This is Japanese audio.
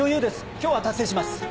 今日は達成します。